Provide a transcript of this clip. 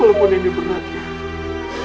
walaupun ini berat ya